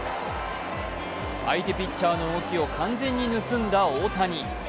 相手ピッチャーの動きを完全に盗んだ大谷。